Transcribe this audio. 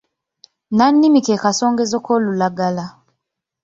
Nnannimi ke kasongezo k’olulagala.